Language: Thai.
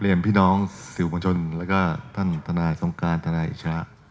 เรียนพี่น้องสิวบังชนแล้วก็ท่านธนายสงการธนายอิชระ